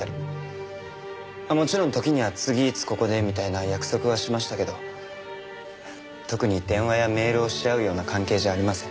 もちろん時には次いつここでみたいな約束はしましたけど特に電話やメールをし合うような関係じゃありません。